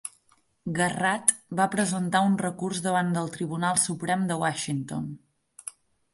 Garratt va presentar un recurs davant del Tribunal Suprem de Washington.